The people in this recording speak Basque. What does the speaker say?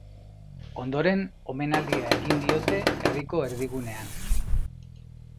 Ondoren, omenaldia egin diote herriko erdigunean.